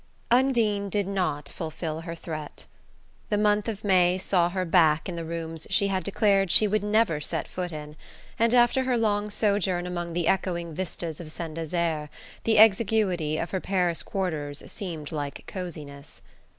XXXIX Undine did not fulfil her threat. The month of May saw her back in the rooms she had declared she would never set foot in, and after her long sojourn among the echoing vistas of Saint Desert the exiguity of her Paris quarters seemed like cosiness.